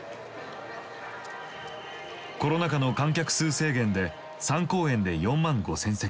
コロナ禍の観客数制限で３公演で４万５，０００席。